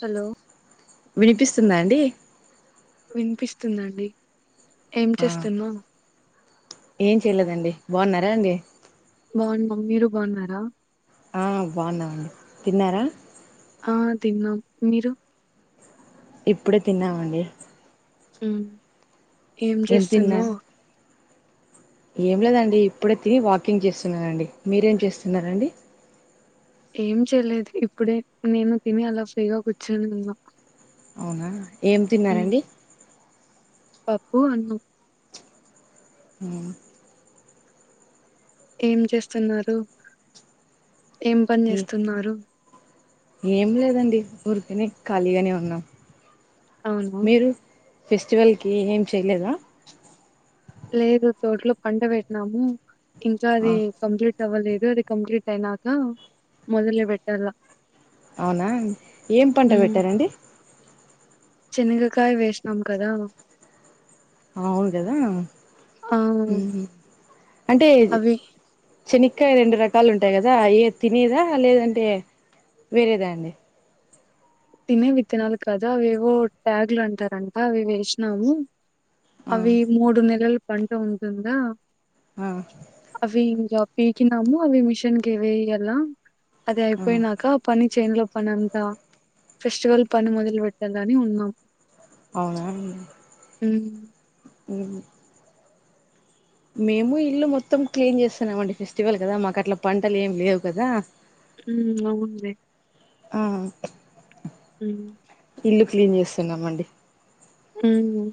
Hello వినిపిస్తుందా అండి వినిపిస్తుందండి ఏం ఆహ్ చేస్తున్నావ్ ఏం చేయలేదండి బాగున్నారాండి బాగున్నాం మీరు బాగున్నారా ఆ బాగున్నామండి తిన్నారా ఆహ్ తిన్నాం మీరు ఇప్పుడే తిన్నామండి మ్ ఏం చేస్తున్నావ్ ఏం లేదండి ఇప్పుడే తిని వాకింగ్ చేస్తున్నానండి మీరేం చేస్తున్నారండి ఏం చేయలేదు ఇప్పుడే నేను తిని అలా ఫ్రీగా కూర్చునున్న అవునా ఏం తిన్నారండి పప్పు అన్నం ఆహ్ ఏం చేస్తున్నారు ఏం పని ఏ చేస్తున్నారు ఏం లేదండి ఊరికనే ఖాళీగానే ఉన్నాం అవునా మీరు ఫెస్టివల్కి ఏం చెయ్లేదా లేదు తోట్లో పంటపెట్టినాము ఇంకా ఆ, అది కంప్లీట్ అవ్వలేదు అది కంప్లీటైనాక మొదలే పెట్టాల అవునా ఏం పంట పెట్టారండి శన్గకాయ వేసినాం కదా అవును కదా ఆ అంటే అవి శెనకాయ రెండు రకాలు ఉంటాయి కదా ఏ తినేదా లేదంటే వేరేదా అండి తినేవి తినాలి కదా అవివో ట్యాగులు అంటారంట అవి వేసినాము ఆ అవి మూడు నెలల పంట ఉంటుందా ఆ అవి ఇంకా పీకినాము అవి మిషన్ కి వేయగల అది ఆ అయిపోయినాక ఆ పని చేన్ లో పనింతా ఫెస్టివల్ పని మొదలు పెట్టాల అని ఉన్నాం అవునా ఉమ్ ఉమ్ మేము ఇల్లు మొత్తం క్లీన్ చేస్తున్నామండి ఫెస్టివల్ కదా మాకు అట్లా పంటలు ఏమి లేవు కదా ఉమ్ అవునులే ఆ ఉమ్ ఇల్లు క్లీన్ చేస్తున్నామ అండి ఉమ్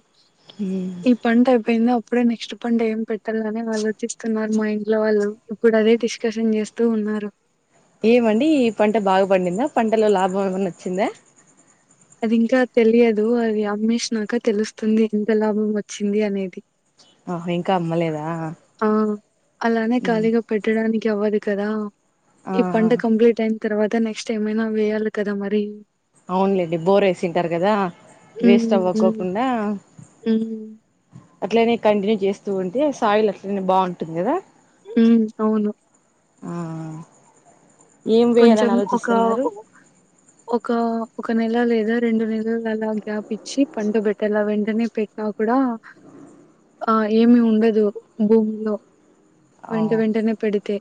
ఈ పంట ఆయీ ఇప్పుడే నెక్స్ట్ పంట ఏం పెట్టాలని వాళ్లోచిస్తున్నారు మా ఇంట్లో వాళ్ళు ఇప్పుడు అదే డిస్కషన్ చేస్తూ నారు ఏం అని పంట బాగా పడిందా పంటలో లాభం ఏమన్నా వచ్చిందా అది ఇంకా తెలియదు అది ఆమెషినక నాక తెలుస్తుంది ఎంత లాభం వచ్చింది అనేది ఆహో ఇంకా అమ్మలేదా ఆ అలానే ఖాళీగా పెట్టడానికి అవ్వదు కదా ఆ ఈ పంట కంప్లీట్ అయింది తర్వాత నెక్స్ట్ ఏమైనా వేయాలి కదా మరి అవునులే అండి బోర్ వేసింటారు కదా వేస్ట్ అవ్వకోకుండా ఉమ్ అట్లనే కంటిన్యూ చేస్తూ ఉంటే సాయిల్ అట్లనే బావుటుంది కదా హ్మ్ అవును ఆ ఏం కొంచెం వేయాలని ఒక ఆలోచిస్తున్నారు ఒక ఒక నెల లేదా రెండు నెలలు అలా గ్యాప్ ఇచ్చి పండు పెట్టాల వెంటనే పెట్టినా కూడా ఆ ఏమి ఉండదు భూమిలో ఆ వెంట వెెంటనే పెడితే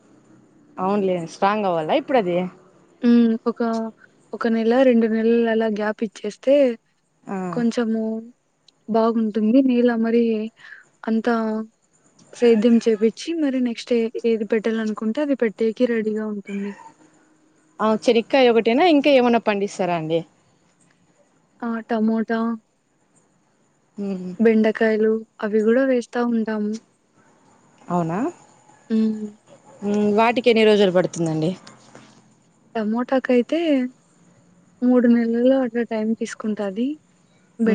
అవునులే స్ట్రాంగ్ అవ్వాలా ఇప్పుడు అది ఉమ్ ఒక ఒక నెల రెండు నెలలు అలా గ్యాప్ ఇచ్చేస్తే ఆ కొంచము బాగుంటుంది నీలా మరి అంత సైద్యం చేపించి మరి నెక్స్ట్ ఏది పెట్టాలనుకుంటే అది పెట్టేకే రెడీగా ఉంటుంది శెనకాయ ఒకటైనా ఇంకా ఏమనా పండిస్తారా అండి ఆ టమోటా ఉమ్ బెండకాయలు అవి కూడా వేస్తా ఉంటాము అవునా హ్మ్ వాటికి ఎన్ని రోజులు పడుతుందండి టమోటాకి అయితే మూడు నెలల్లో అట్లా టైం తీసుకుంటుది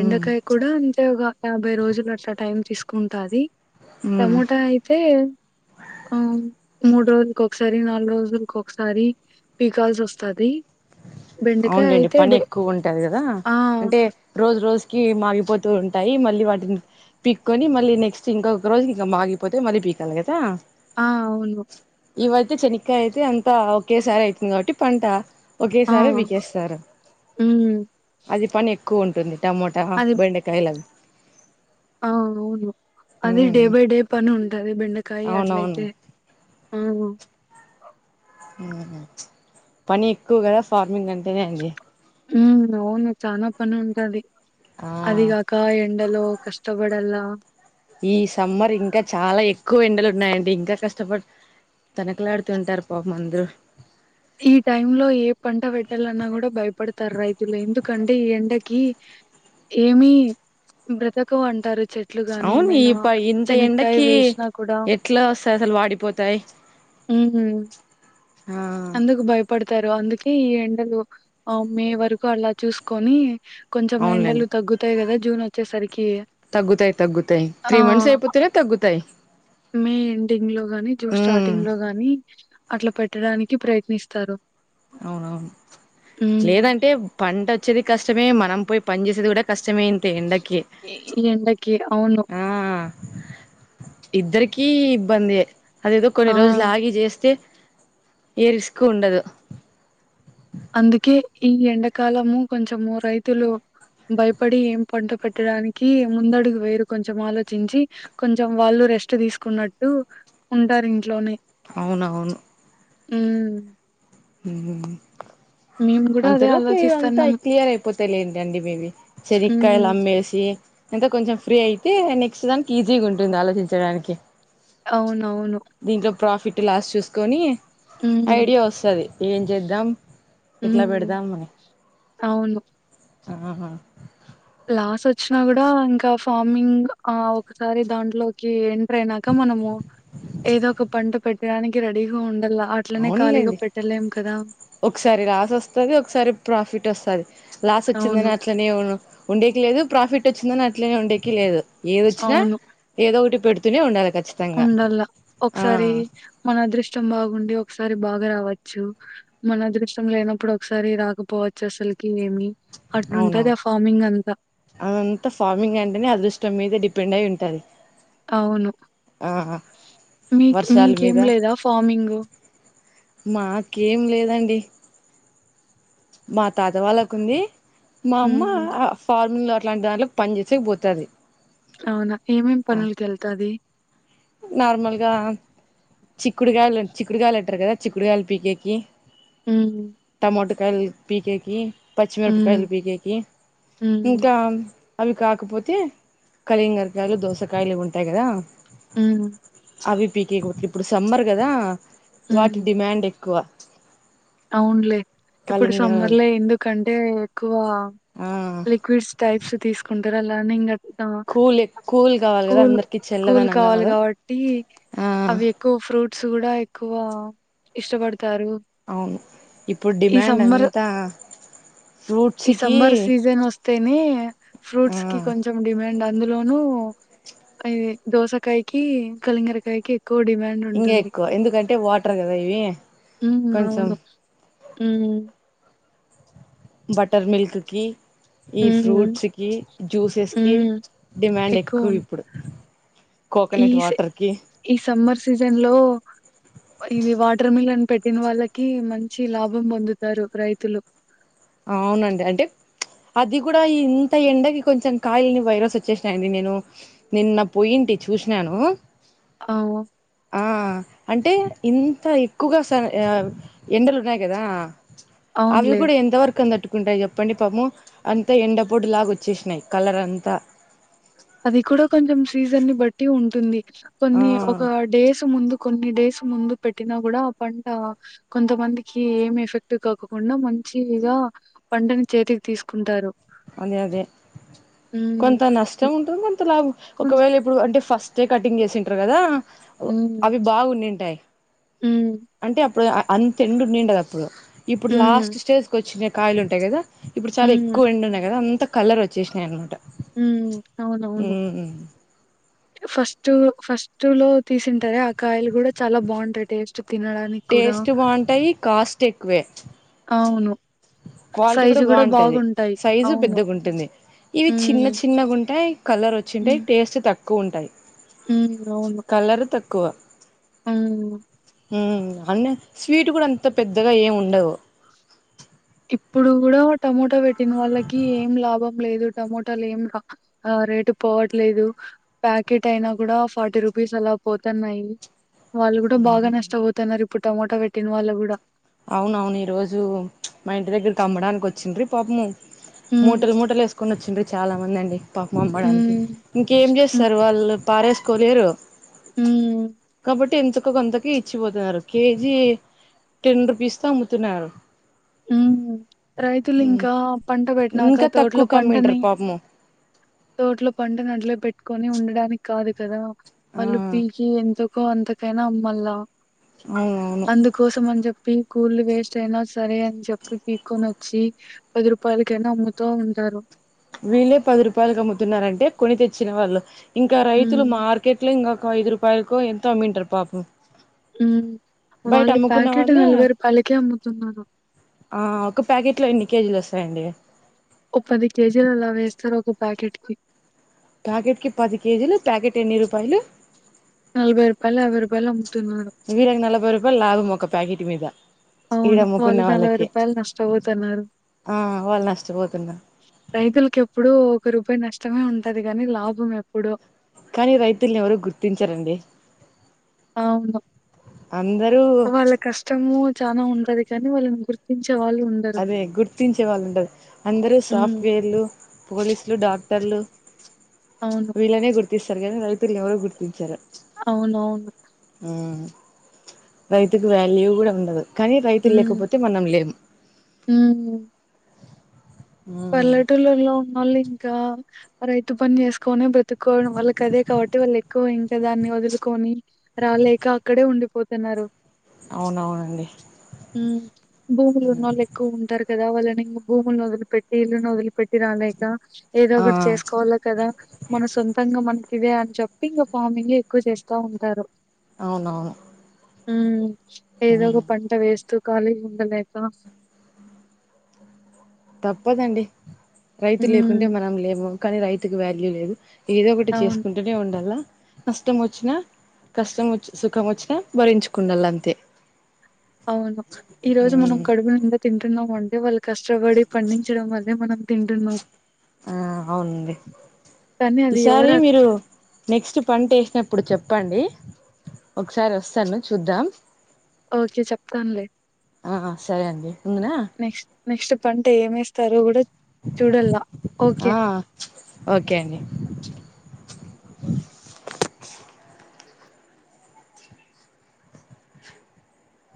ఉమ్ కూడా అంటే ఒక యాభై రోజులు అట్లా టైం తీసుకుంటుది ఉమ్ టమోటా అయితే ఆ మూడ రోజు కి ఒకసారి నాలుగు రోజులకిసారి పీకాల్సి వస్తది అవును అండి పని ఎక్కువ ఉంటది కదా ఆ అంటే రోజు రోజుకి మాగిపోతే ఉంటాయి మళ్ళీ వాటిని పీక్కకొని మళ్ళీ నెక్స్ట్ ఇంకొక రోజుకి ఇంకా మాగిపోతే మళ్ళీ పీకాలి కదా ఆ అవును ఈ వాతేయ్ శెనకాయ అయితే అంతా ఒకేసారి అయితుంది కాబట్టి పంట ఆ ఒకేసారి వి ఎస్తారు హ్మ్ అది పని ఎక్కువ ఉంటుంది టమోటా అది బెండకాయలు అవి ఆ అవును అది ఉమ్ డే బై డే పని ఉంటది బెండకాయ అవునవును అట్లయితే ఆ పని ఎక్కువ కదా ఫార్మింగ్ అంటేనే అండీ ఉమ్ అవును చానా పని ఉంటాది ఆ అదిగాకా ఎం డలో కష్టపడలా ఈ సమ్మర్ ఇంకా చాలా ఎక్కువ ఎండలు ఉన్నాయండి ఇంకా కష్టపడి తనక్లాడుతుంటారు పాపం అందరు ఈ టైం లో ఏ పంట వెట్టాలన్నా గూడా భయపడతారు రైతులు ఎందుకంటే ఈ ఎండకి ఏమి బ్రతకవు అంటారు చెట్లు గాని అవును ఈ ఏమైనా ప ఇంత చెనాక్కాయ్ ఎండకి వేశినా కూడా ఎట్లా వస్తాయి అసలు వాడిపోతాయి మ్మహు ఆ అందుకు భయపడతారు అందుకే ఈ ఎండలు ఆ మే వరకు అలా చూసుకొని కొంచెం ఎండలు తగ్గుతాయి కదా జూన్ ఒచ్చేసరిక్ తగ్గుతాయ్ తగ్గుతాయ్ త్రీ మంత్స్ అయిపోతెనే తగ్గుతాయ్ మే ఎండింగ్ లో గాని జూన్ స్టార్టింగ్ లో గాని అట్ల పెట్టడానికి ప్రయత్నిస్తారు అవునవును హ్మ్. లేదంటే పంట ఒచ్చేది కష్టమే మనం పోయి పని చేసేది కూడా కష్ షమే ఇంత ఎండ కి ఈ ఈ ఎండకి అవును. ఆ ఇద్దరికీ ఇబ్బందే అదెదొ ఆ! కొన్ని రోజులు ఆగి జేస్తే ఏ రిస్క్ ఉండదు అందుకె ఈ ఎండాకాలము కొంచము రైతులు భయపడి ఏం పంట పెట్టడానికి ముందడుగు వేయరు కొంచెం ఆలోచించి కొంచెం వాళ్ళు రెస్ట్ తీసుకున్నట్టు ఉంటారు ఇంట్లోనే అవునవును ఉమ్ మెమ్ అంత లోపల ఇదంతా క్లియర్ అయిపోతయ్ లేండి అండి మేబీ శెనకాయలు హ్మ్. అమ్మేసి కొంచెం ఫ్రీ అయితే నెక్స్ట్ దానికి ఈజీగుంటుంది ఆలోచించడానికి అవునవును దీంట్లో ప్రాఫిట్ లాస్ చూసుకొని హ్మ్. ఐడియా వస్తాది ఏం జేద్దాం ఎట్లా హ్మ్. పెడదాం మని అవును. ఆ లాస్ వస్తాది కూడా ఇంకా ఫార్మింగ్ ఆ ఒకసారి దాంట్లోకి ఎన్ ట్రైనాక మనము ఏదో ఒక పంట పెట్టడానికి రెడీగా ఉండలా అట్లనే ఖాళీగా అవునులేండి పెట్టలేం కదా ఒకసారి లాస్ వస్తాది ఒకసారి ప్రాఫిట్ వస్తాది లాస్ అవును. ఒచ్చిందని అట్లనే ఉను ఉండేకి లేదు ప్రాఫిట్ వచ్చింది అట్లనే ఉండేకి లేదు ఏదొచ్చినా ఏదో ఒటి పెడుతూనే ఉండాలి ఖచ్చితంగా ఉండాల ఆ ఒకసారి మన అదృష్టం బాగుండి ఒక్ క్సారి బాగా రావచ్చు మన అదృష్ట్యం లేనప్పుడు ఒకసారి రాకపోవచ్చు అస్సలాకి ఏమి అవునా అట్లుంటది ఆ ఫార్మింగ్ అంతా. అదంతా ఫార్మింగ్ అంటెనే అదృష్టం మీద డిపెండ్ అయి ఉన్ టది అవును మీక్ వర్షాల మీకేం మీద లేదా ఫార్మింగు మాకేం లేదండి మా తాత వాళ్ళకుంది మా అమ్మ హ్మ్. ఫార్మింగ్ల అట్లాంటి దాంట్లకి పని చేసేకి పోతది అవునా ఏమేం పనులకి వెళ్తాది నార్మల్ గా చిక్కుడుగాయలు చిక్కుడుగాయలు అంటరు కదా చిక్కుడుగాయలు పీకేకి హ్మ్. టమాటోకాయల్ పీకేకి హ్మ్. పచ్చిమిరపకాయల్ పీకేకి హ్మ్. ఇంకా అవి కాకపోతే కలింగరకాయలు దోసకాయలు ఇవి ఉంటాయి కదా ఉమ్ అవి పీకేకి పొద్ది ఇప్పుడు సమ్మర్ గదా వాటి డిమాండ్ ఎక్కువ అవున్ లే ఇప్పుడు కలింగర సమ్మర్ లో ఎందుకంటే క్ ఎక్కువ ఆ లిక్విడ్స్ టైప్స్ తీసుకుంటార అలానే ఇం ఆ కూల్ కూల్ కావాలి కదా కూల్ అందరికి కూల్ చల్లదనం కావాలి కావాలా కాబట్టి ఆ అవి ఎక్కువ ఫ్రూట్స్ కూడా ఎక్కువ ఇష్టపడతారు అవును ఇప్పుడు ఈ డిమాండ్ సమ్మర్ అంతా ఈ ఫ్రూట్స్కి సమ్మర్ సీజన్ వస్తేనే ఆ ఫ్రూట్స్ కి కొంచెం డిమాండ్ అందులోను అ దోసకాయకి కలింగరకాయ ఇంకా ఎక్కువ ఎందుకంటే వాటర్ కదా ఇవి ఉమ్ కొంచెం అవును మ్ బట్టర్ మిల్క్ కి ఈ హ్మ్. ఫ్రూట్స్కి జ్యూసెస్కి హ్మ్. డిమాండ్ ఎక్కువ ఇప్పుడు ఈ కోకోనట్ వాటర్ కి ఈ సమ్మర్ సీజన్ లో ఇది వాటర్ మిలన్ పెట్టిన వాళ్ళకి మంచి లాభం పొందుతారు రైతులు అవునండి అంటే అది కూడా ఇంత ఎండకి కొంచెం కాయలు వైరస్ వచ్చేసినాయిండి నేను నిన్న పోయింటి చూసినాను అ ఆ అంటే ఇంత ఎక్కువగా స ఆ ఎండలు ఉన్నాయి కదా అవి అవునులే కూడా ఎంతవరకు కం దట్టుకుంటాయి చెప్పండి పాపము అంత ఎండపొడు లాగ వచ్చేసినాయి కలర్ అంతా సీజన్ ని బట్టి ఉంటుంది ఆ కొన్ని ఒక డేస్ ముందు కొన్ని డేస్ ముందు పెట్టినా కూడా ఆ పంట కొంతమందికి ఏం ఎఫెక్ట్ కాకుండా మ మంచిగా పంటని చేతికి తీసుకుంటారు అదే అదే హ్మ్ కొంత నష్టం ఉంటుంది కొంత లాభం కొన్ ఒకవేళ ఇప్పుడు అంటే ఫస్ట్ వస్తే కటింగ్ చేసింటారు కదా హ్మ్ అవి బాగున్నిడింటాయి హ్మ్ అంటే అప్పుడు అంత ఎండు నిండది అప్పుడు ఇప్పుడు లాస్ట్ హ్మ్ స్టేజ్కి వచ్చినే కాయలు ఉంటాయి కదా ఇప్పుడు చాలా హ్మ్ ఎక్కువ ఎండు ఉన్నాయి కదా అంతా కలర్ వచ్చేసినాయి అనమాట ఉమ్ అవునవును ఉమ్ ఫస్ట్ ఫస్ట్ లో తీసింటార ఆ కాయలు కూడా చాలా బాగుంటాయి టేస్ట్ తినడానికి కూడా టేస్ట్ బాగుంటాయి కాస్ట్ ఎక్కువే అవును క్వాలిటీ కూడా సైజు బాగుంటది బాగుంటాయి సైజు అవును. పెద్దగా ఉంటుంది ఇవి చిన్న హ్మ్. చిన్నగా ఉంటాయి కలర్ వచ్చింటాయి టేస్ట్ తక్కువ ఉంటాయి ఉమ్ అవును కువ అవును హు అన్న స్వీట్ కూడా అంత పెద్దగా ఏమి ఉండదు ఇప్పుడు కూడా టమోటా పెట్టిన వాళ్ళకి ఏం లాభం లేదు టమోటోలేం రేటు పోవట్లేదు ప్యాకెట్ అయినా కూడా ఫార్టీ రూ పీస్ అలా పోతున్నాయి వాళ్ళు కూడా బాగా నష్టపోతున్నారు ఇప్పుడు టమోటా పెట్టిన వాళ్ళు కూడా అవునవును ఈ రోజు మా ఇంటి దగ్గరకి అమ్మడానికి వచ్చింద్రూ పాపము హ్మ్. మూటలు మూటలు వేసుకొని వచ్చిండీ చాలా మంది అండి పాపం అమ్మడానికి హ్మ్. ఇంకేం హ్మ్. చేస్తారు వాళ్ళు పారేసుకోలేరు హ్మ్. కాబట్టి ఇంతకు కొంతకి ఇచ్చిపోతున్నారు కేజీ టెన్ రూపీస్కి అమ్ముతున్నారు ఉమ్ రైతులు ఇంకా ప పంట పాటినక ఇంకా తోటలో తక్కువకు అమ్మింటారు పంటని పాపము తోటలో పంటని అట్లే పే ట్టుకొని ఉండడానికి కాదు కదా ఆ వాళ్ళు పిల్చి ఎంతకో అంతకైనా అమ్మలా అవునవును అందుకోసం అని చెప్పి కూర్లు వేస్ట్ అయినా సరే అని చెప్పి పీకుకొని వచ్చి పది రూపాయలకైనా అమ్ముతా ఉంటారు వీళ్ళే పది రూపాయలు అమ్ముతున్నారంటే కొని తెచ్చిన వాళ్ళు ఇంకా రైతులు ఉమ్ మార్కెట్ లో ఇంకా ఒక ఐదు రూపాయికో ఎంత అమ్మింటరూ పాపం ఉ బయట వాళ్ళు అమ్ముకున్న ప్యాకెట్ వాళ్ళే నలభై రూపాల్కే అమ్ముతున్నరూ ఆ ఒక్క ప్యాకెట్లో ఎన్ని కేజీలొస్తయండి ఒ పది కేజీలలా వేస్తారు ఒక్క ప్యాకెట్కి ప్యాకెట్కి పది కేజీలు ప్యాకెట్ ఎన్ని రూపాయలు నలభై రూపాయల్ యాబైరూపాయలు ఇ వీరికి నలభై రూపాయలు లాభం ఒక ప్యాకెట్ మీద ఈడ అవును అమ్ముకున్న వాళ్ళు వాళ్ళకి నలపైరూపైలు నష్టపోతన్నారు ఆ వాళ్ళు నష్టపోతున్నారు రైతుల్కి ఎప్పుడు ఒక రూపాయి నష్టమే ఉంటది గాని లాభం ఎప్పుడు కానీ రైతుల్ని ఎవరు గుర్తించరండి అవును అందరూ వాళ్ళ కష్టము చాలా ఉంటది చనీ వాళ్ళని గుర్తించ అదే గుర్తించే వాళ్ళు ఉండరూ అందరు హ్మ్. సాఫ్ట్వేర్లు పోలీసులు డాక్టర్లు అవును. వీళ్ళనే గుర్తిస్తారు కానీ రైతుల్నెవరు గుర్తించరు అవునవును మ్ రైతుకు వాల్యూ కూడా ఉండదు కానీ రైతు లేకపోతే మనం లేమ్ మ్మ్ మ్మ్ పల్లెటూల్లొ ఉన్నోళ్ళు ఇంకా రైతు పని చేస్కోనీ బ్ర తుక్కోడం వాళ్ళకదే కాబట్టి వాళ్ళెక్కువ దాన్ని వదులుకొని రాలేక అక్కడే ఉండిపోతున్నారు అవునవునండి హు భూములు ఉన్నోళ్ళు ఎక్కువుంటారు కదా వాళ్ళని భూముల్నోదిలి పెట్టి వీళ్ళనొదిలిపెట్టి రాలేక ఏదో ఆ ఒకటి చేస్కోవాలే కదా మన సొంతంగా మన ఇవే అని చెప్పి ఇంగా ఫార్మింగేక్కువ చేస్తూంటారు అవునవును హ్మ్ ఏదో ఏదోక పంట వేస్తూ ఖాళీ ఉండలేక ప్పదండి రైతు లేకుంటే హ్మ్. మనం లేము కానీ రైతుకి వాల్యూ లేదు ఏదో ఒకటి అవును. చేస్కుంటూనే ఉండాల నష్టమోచ్చినా కష్టం వచ్చి సుఖమోచ్చినా భరించ్కుడాలంతే అవును ఈ రోజు మనం కడుపు నిండా తింటున్నాం అంటే వాళ్ళ కష్టపడి పండించడం వల్లే మనం తింటున్నాం ఆ అవునండి కానీ అది ఈసారి ఎవరు అర్ మీరు నెక్స్ట్ పంటేష్నప్పుడూ చె చెప్పండి ఒక్కసారి వస్తాను చూద్దాం ఓకే చెప్తాల్నే ఆ సరే అండి ఉందునా నెక్స్ట్ నెక్స్ట్ పంట ఏం ఎస్తారో త్తరు కూడా ఆ ఓకే అండి